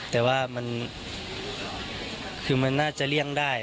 แต่ว่ามันคือมันน่าจะเลี่ยงได้